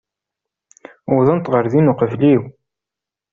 Wwḍent ɣer din uqbel-iw.